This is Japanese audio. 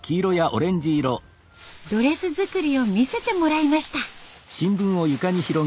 ドレス作りを見せてもらいました。